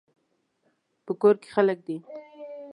په کور کې خلک دي